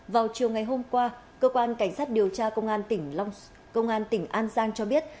vào chiều ngày hôm qua cơ quan cảnh sát điều tra công an tỉnh an giang cho biết